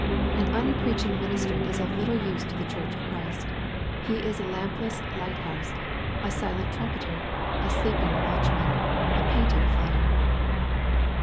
An unpreaching minister is of little use to the church of Christ. He is a lampless light house, a silent trum peter, a sleeping watchman, a painted fire.